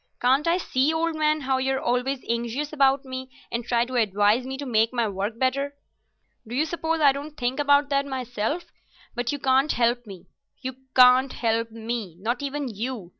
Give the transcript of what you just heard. Can't I see, old man, how you're always anxious about me, and try to advise me to make my work better? Do you suppose I don't think about that myself? But you can't help me—you can't help me—not even you.